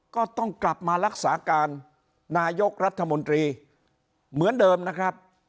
ก็ต้องกลับมารักษาการนายกรัฐมนตรีเหมือนเดิมนะครับ